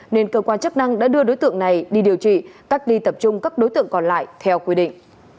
nên cơ quan chức năng đã đưa đối tượng này đi điều trị cách ly tập trung các đối tượng còn lại theo quy định